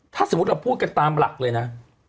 ถ้าสมมุติเราพูดกันตามหลักเลยนะ